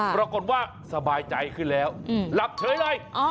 ปรากฏว่าสบายใจขึ้นแล้วหลับเฉยเลย